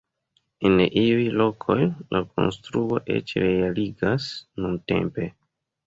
En iuj lokoj, la konstruo eĉ realigas nuntempe.